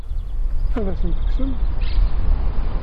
Ad asent-ten-tekksem?